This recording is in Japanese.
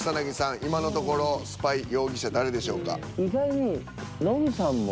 今のところスパイ容疑者誰でしょうか？